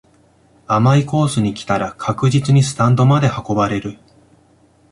甘いコースに来たら確実にスタンドまで運ばれる